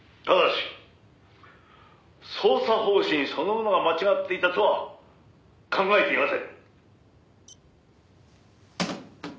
「ただし捜査方針そのものが間違っていたとは考えていません」